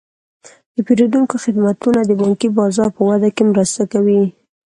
د پیرودونکو خدمتونه د بانکي بازار په وده کې مرسته کوي.